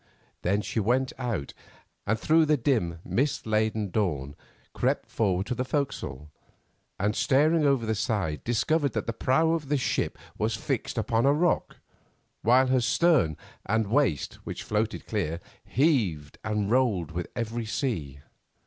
Then she went out, and through the dim, mist laden dawn crept forward to the forecastle, and staring over the side discovered that the prow of the ship was fixed upon a rock, while her stern and waist, which floated clear, heaved and rolled with every sea.